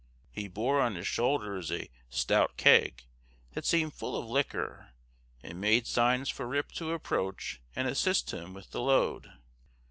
He bore on his shoulders a stout keg, that seemed full of liquor, and made signs for Rip to approach and assist him with the load.